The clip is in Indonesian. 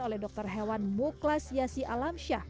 oleh dokter hewan muklas yassi alamsyah